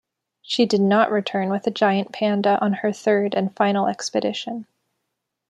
She did not return with a giant panda on her third and final expedition.